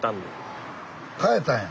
変えたんや。